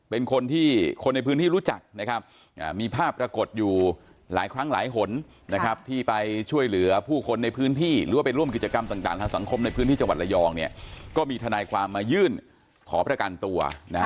เป็นคนที่คนในพื้นที่รู้จักนะครับ